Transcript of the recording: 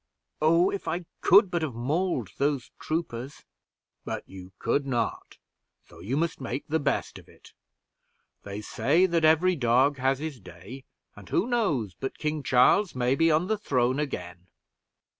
Oh, if I could but have mauled those troopers!" "But you could not; so you must make the best of it. They say that every dog has his day, and who knows but King Charles may be on the throne again!"